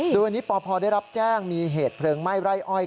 โดยวันนี้ปพได้รับแจ้งมีเหตุเพลิงไหม้ไร่อ้อย